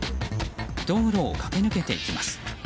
道路を駆け抜けていきます。